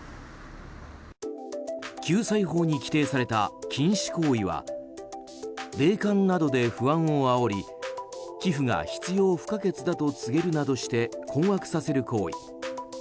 救済法に規定された禁止行為は霊感などで不安をあおり寄付が必要不可欠だと告げるなどして困惑させる行為。